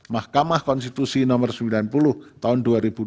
mahkamah konstitusi nomor sembilan puluh tahun dua ribu dua puluh